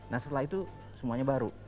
nah setelah itu semuanya baru